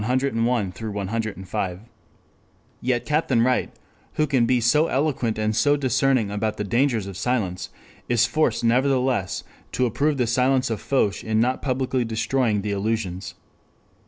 ] Yet Captain Wright who can be so eloquent and so discerning about the dangers of silence is forced nevertheless to approve the silence of Foch in not publicly destroying the illusions.